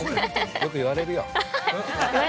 ◆よく言われるよ。